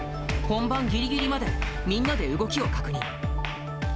本番ぎりぎりまでみんなで動きを確認。